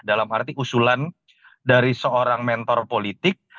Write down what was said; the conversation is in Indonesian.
dalam arti usulan dari seorang mentor politik